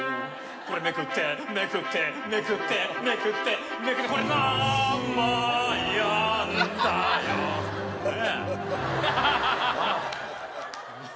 これめくってめくってめくってめくってめくってこれ何枚あんだよねえなあ